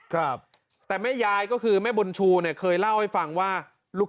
ครับแต่แม่ยายก็คือแม่บุญชูเนี่ยเคยเล่าให้ฟังว่าลูก